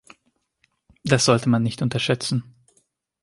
Das sollte man nicht unterschätzen.